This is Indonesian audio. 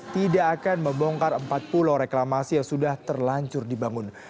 tidak akan membongkar empat pulau reklamasi yang sudah terlancur dibangun